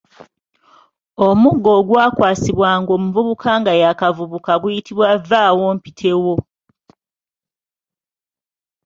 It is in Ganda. Omuggo ogwakwasibwanga omuvubuka nga y'akavubuka guyitibwa vvaawompitewo.